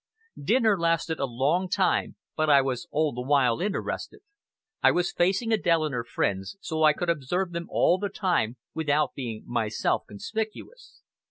Dinner lasted a long time, but I was all the while interested. I was facing Adèle and her friends, so I could observe them all the time without being myself conspicuous.